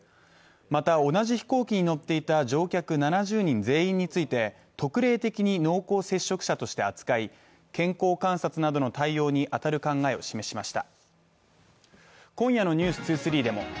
また、同じ飛行機に乗っていた乗客７０人全員について特例的に濃厚接触者として扱い健康観察などの対応に当たる考えを示しました。